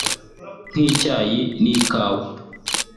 nk’icyayi n’ikawa